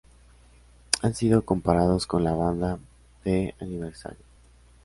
Han sido comparados con la banda The Anniversary.